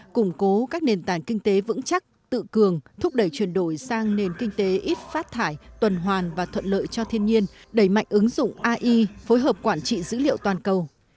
củng cố các nền tảng kinh tế vững chắc tự cường thúc đẩy chuyển đổi sang nền kinh tế ít phát thải tuần hoàn và thuận lợi cho thiên nhiên đẩy mạnh ứng dụng ai phối hợp quản trị dữ liệu toàn cầu